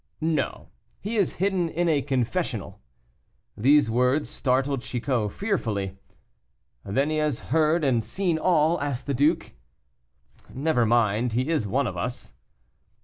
"No, he is hidden in a confessional." These words startled Chicot fearfully. "Then he has heard and seen all?" asked the duke. "Never mind, he is one of us."